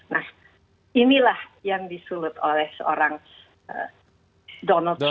nah inilah yang disulut oleh seorang donald trump